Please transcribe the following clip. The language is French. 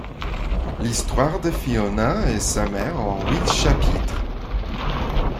L'histoire de Fiona et sa mère en huit chapitres.